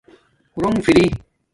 رُݸنݣ فری